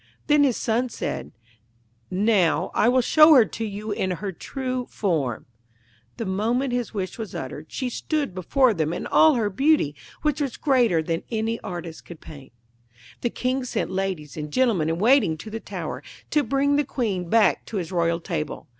Then his son said, 'Now, I will show her to you in her true form.' The moment his wish was uttered, she stood before them in all her beauty, which was greater than any artist could paint. The King sent ladies and gentlemen in waiting to the tower to bring the Queen back to his royal table.